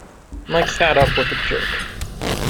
Mike sat up with a jerk.